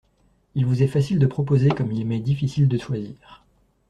Il vous est facile de proposer, comme il m’est difficile de choisir.